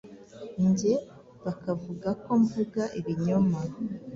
njye bakavuga ko mvuga ibinyoma